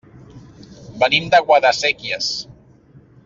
Venim de Guadasséquies.